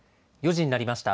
４時になりました。